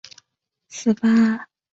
故居后园有顾亭林之墓和石马。